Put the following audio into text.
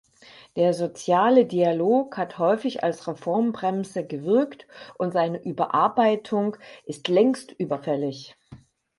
Der soziale Dialog hat häufig als Reformbremse gewirkt, und seine Überarbeitung ist längst überfällig.